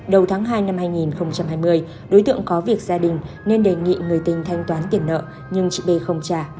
đầu tháng hai năm hai nghìn hai mươi đối tượng có việc gia đình nên đề nghị người tình thanh toán tiền nợ nhưng chị b không trả